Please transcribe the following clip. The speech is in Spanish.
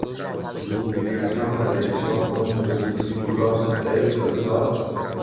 Su publicación la realizó uno de sus discípulos, el Dr.